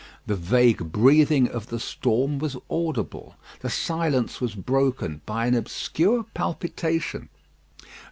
The vague breathing of the storm was audible; the silence was broken by an obscure palpitation.